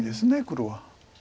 黒は。